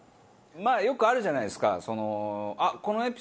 まあよくあるじゃないですかその。